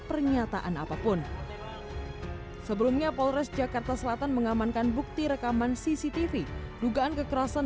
pernyataan apapun sebelumnya polres jakarta selatan mengamankan bukti rekaman cctv dugaan kekerasan